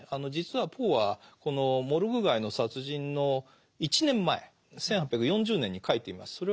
実はポーはこの「モルグ街の殺人」の１年前１８４０年に書いています。